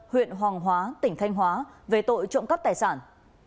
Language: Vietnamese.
huyện hoàng hóa tỉnh thanh hóa về tội trộm cắp tài sản